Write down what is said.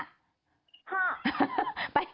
ค่ะ